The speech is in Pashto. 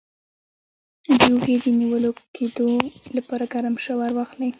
د اوږې د نیول کیدو لپاره ګرم شاور واخلئ